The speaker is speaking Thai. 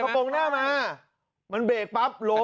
กระโปรงหน้ามามันเบบปั๊บลม